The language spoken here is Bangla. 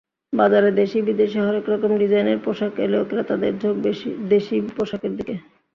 বাজারে দেশি-বিদেশি হরেক রকম ডিজাইনের পোশাক এলেও ক্রেতাদের ঝোঁক দেশি পোশাকের দিকে।